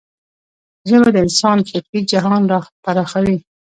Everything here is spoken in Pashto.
ژبه د انسان فکري جهان پراخوي.